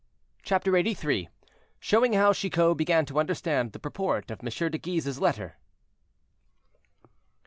CHAPTER LXXXIII. SHOWING HOW CHICOT BEGAN TO UNDERSTAND THE PURPORT OF MONSIEUR DE GUISE'S LETTER.